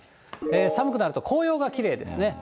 寒くなると紅葉がきれいですね。